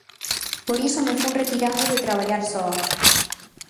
Por iso me fun retirando de traballar soa.